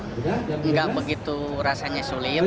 tidak begitu rasanya sulit